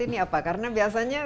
ini apa karena biasanya